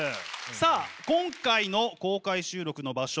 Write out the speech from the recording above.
さあ今回の公開収録の場所